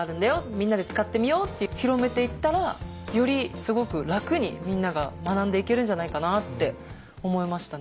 みんなで使ってみよう」って広めていったらよりすごく楽にみんなが学んでいけるんじゃないかなって思いましたね。